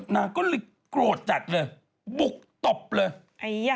นางก็เลยโกรธจัดเลยบุกตบเลย